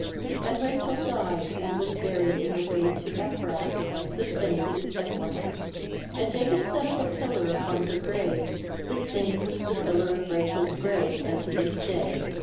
19And Rachel died, and was buried in the way to Ephrath — the same is Beth iehem. 20And Jacob set up a pillar upon her grave; the same is the pillar of Rachel's grave unto this day.